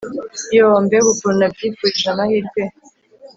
yoo mbega ukuntu nabyifurije amahirwe!